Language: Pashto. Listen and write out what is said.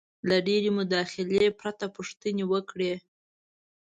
-له ډېرې مداخلې پرته پوښتنې وکړئ: